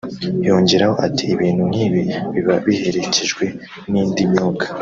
Yongeyeho ati 'Ibintu nk'ibi biba biherekejwe n'indi myuka'